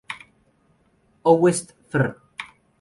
Ouest Fr.